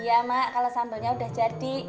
iya mak kalau sambalnya udah jadi